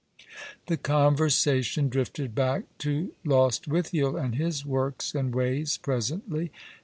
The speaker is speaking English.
The conversation drifted back to Lostwithiel and his works and ways, presently.